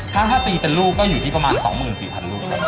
ถ้าถ้าตีเป็นลูกก็อยู่ที่ประมาณ๒๔๐๐๐ลูก